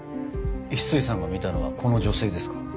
翡翠さんが見たのはこの女性ですか？